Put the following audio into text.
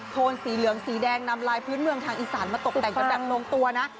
โทนสีเหลืองสีแดงนำลายพื้นเมืองทางอีสานมาตกแต่งกันแบบลงตัวนะ